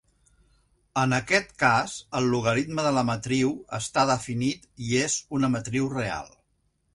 En aquest cas el logaritme de la matriu està definit i és una matriu real.